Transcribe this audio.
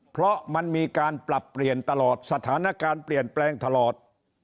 เพราะมันมีการปรับเปลี่ยนตลอดสถานการณ์เปลี่ยนแปลงตลอด